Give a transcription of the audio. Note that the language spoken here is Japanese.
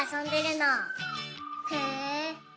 へえ。